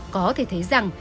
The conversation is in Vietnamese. có thể thấy rằng